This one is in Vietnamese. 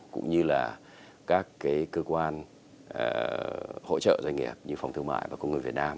cũng như là các cơ quan hỗ trợ doanh nghiệp như phòng thương mại và công nghiệp việt nam